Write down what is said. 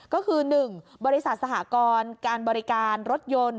ก็คือ๑บริษัทสหกรการบริการรถยนต์